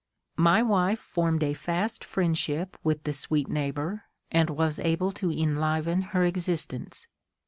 My wife formed a fast friendship with the sweet neighbour and was able to enliven her existence.